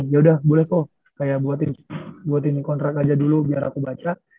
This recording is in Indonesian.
ya udah boleh kok kayak buat ini kontrak aja dulu biar aku baca